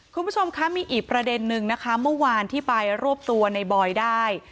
คุณผู้ชมคะมีอีกประเด็นนึงนะคะเมื่อวานที่ไปรวบตัวในบอยได้